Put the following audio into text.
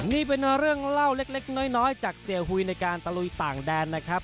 นี่เป็นเรื่องเล่าเล็กน้อยจากเสียหุยในการตะลุยต่างแดนนะครับ